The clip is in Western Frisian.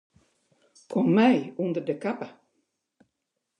Kom mei ûnder de kappe.